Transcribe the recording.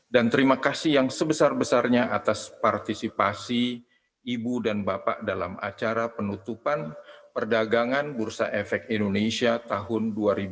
dan terima kasih yang sebesar besarnya atas partisipasi ibu dan bapak dalam acara penutupan perdagangan bursa efek indonesia tahun dua ribu dua puluh